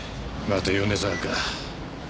また米沢か。